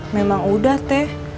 memang udah teh